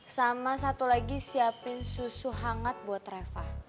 sama satu lagi siapin susu hangat buat reva